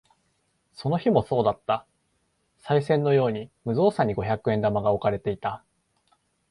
その日もそうだった。賽銭のように無造作に五百円玉が置かれていた。